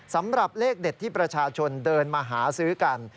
สำหรับเลขเด็ดที่ประชาชนเดินมาหาซื้อกัน